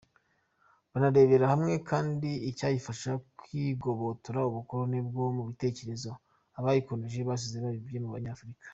Banarebera hamwe kandi icyayifasha kwigobotora ubukoloni bwo mu bitekerezo abayikolonije basize babibye mu Banyafurika.